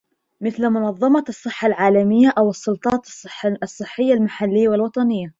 مثل منظمة الصحة العالمية أو السلطات الصحية المحلية والوطنية